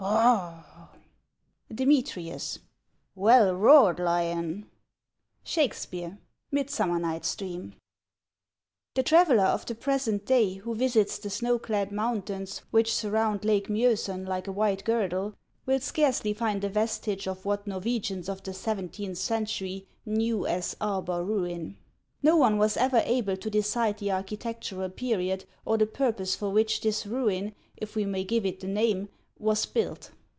Oh — Demetrius. Well roared, lion ! SHAKESPEARE : Midsummer Night's Dream. THE traveller of the present day who visits the snow clad mountains which surround Lake Miosen like a white girdle, will scarcely find a vestige of what Norwegians of the seventeenth century knew as Arbar ruin. Xo one was ever able to decide the architectural period or the purpose for which this ruin, if we may give it the name, was built.